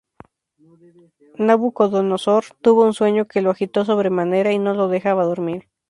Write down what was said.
Nabucodonosor tuvo un sueño que lo agitó sobremanera y no lo dejaba dormir.